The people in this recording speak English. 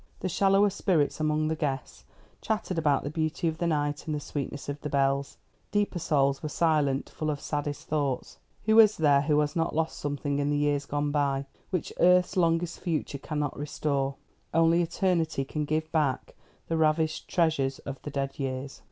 The shallower spirits among the guests chattered about the beauty of the night, and the sweetness of the bells. Deeper souls were silent, full of saddest thoughts. Who is there who has not lost something in the years gone by, which earth's longest future cannot restore? Only eternity can give back the ravished treasures of the dead years.